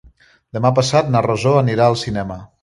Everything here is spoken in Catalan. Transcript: Demà passat na Rosó anirà al cinema.